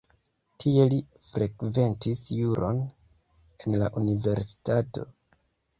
Tie li frekventis juron en la universitato.